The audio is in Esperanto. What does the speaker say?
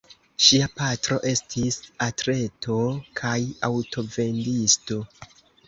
Ŝia patro estis atleto kaj aŭtovendisto.